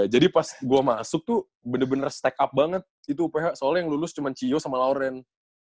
jadi pas gue masuk tuh bener bener stack up banget itu uph soalnya yang lulus cuma ciyo sama lauren